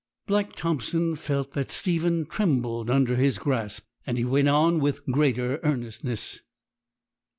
Black Thompson felt that Stephen trembled under his grasp, and he went on with greater earnestness.